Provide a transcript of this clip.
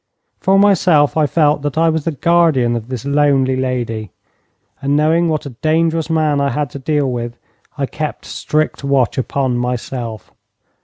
For myself, I felt that I was the guardian of this lonely lady, and knowing what a dangerous man I had to deal with, I kept strict watch upon myself.